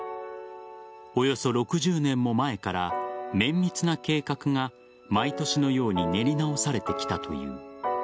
およそ６０年も前から綿密な計画が毎年のように練り直されてきたという。